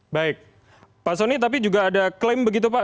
baik pak soni tapi juga ada klaim begitu pak